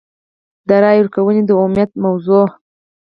د رایې ورکونې د عمومیت موضوع.